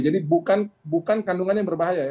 jadi bukan kandungannya berbahaya